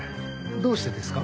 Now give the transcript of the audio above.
どうしてですか？